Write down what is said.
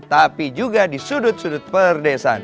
tapi juga di sudut sudut perdesaan